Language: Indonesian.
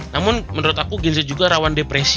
namun menurut aku gen z juga rawan depresi